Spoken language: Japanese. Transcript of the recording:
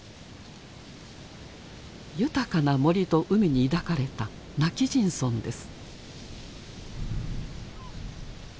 豊かな森と海に抱かれた今帰仁村です。